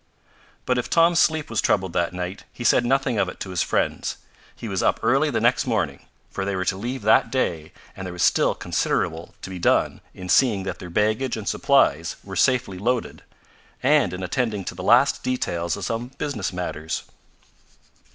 But if Tom's sleep was troubled that night he said nothing of it to his friends. He was up early the next morning, for they were to leave that day, and there was still considerable to be done in seeing that their baggage and supplies were safely loaded, and in attending to the last details of some business matters.